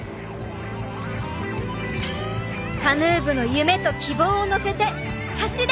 カヌー部の夢と希望を乗せて走れ！